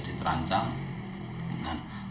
terus kita bisa menjaga kemampuan